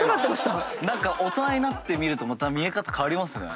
大人になって見るとまた見え方変わりますね。